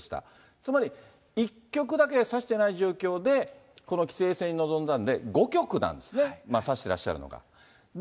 つまり、１局だけしか指してない状況で、この棋聖戦に臨んだんで、５局なんですね、指してらっしゃるのが。